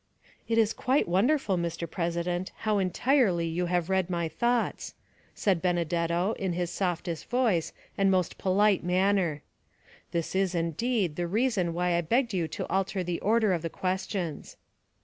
"It is quite wonderful, Mr. President, how entirely you have read my thoughts," said Benedetto, in his softest voice and most polite manner. "This is, indeed, the reason why I begged you to alter the order of the questions."